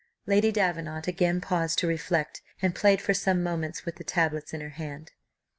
Lady Davenant again paused to reflect, and played for some moments with the tablets in her hand.